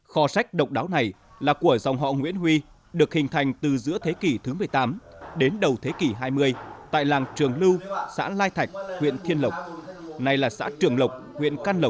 kho sách độc đáo này là của dòng họ nguyễn huy được hình thành từ giữa thế kỷ thứ một mươi năm